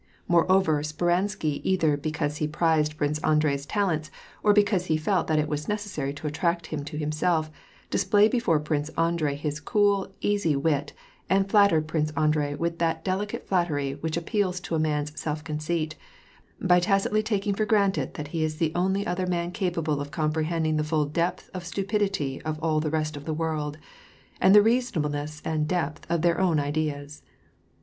Moreover, Speransky, either because he prized Prince Andrei's talents, or because he felt that it was necessary to attract him to himself, displayed before Prince Andrei his cool, easy wit, and flattered Prince Andrei with that delicate flattery which appeals to a man's self conceit, by tacitly taking for granted that he is the only other man capa ble of comprehending the full depth of stupidity of all the rest of the world, and the reasonableness and depth of their own ideas.